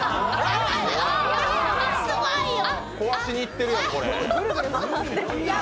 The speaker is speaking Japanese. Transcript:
壊しにいってるよね、これ。